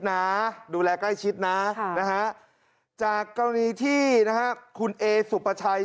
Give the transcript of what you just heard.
นะดูแลใกล้ชิดนะนะฮะจากกรณีที่นะฮะคุณเอสุปชัย